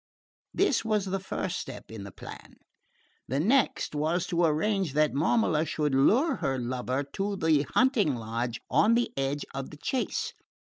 This was the first step in the plan; the next was to arrange that Momola should lure her lover to the hunting lodge on the edge of the chase.